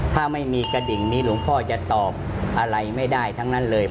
ถ้าไม่มีกระดิ่งนี้หลวงพ่อจะตอบอะไรไม่ได้ทั้งนั้นเลย